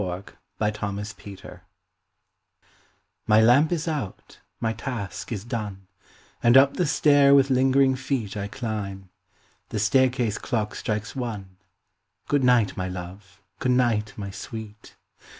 A LATE GOOD NIGHT My lamp is out, my task is done, And up the stair with lingering feet I climb. The staircase clock strikes one. Good night, my love! good night, my sweet!